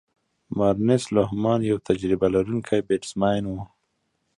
مارنس لوهمان یو تجربه لرونکی بیټسمېن وو.